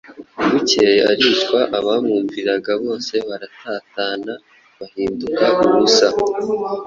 Bukeye aricwa abamwumviraga bose baratatana, bahinduka ubusa.